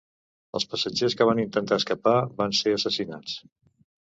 Els passatgers que van intentar escapar van ser assassinats.